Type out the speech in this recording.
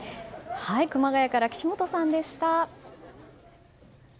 熊谷から岸本さんでした。